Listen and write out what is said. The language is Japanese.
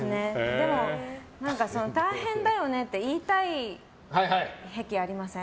でも、大変だよねって言いたい癖ありません？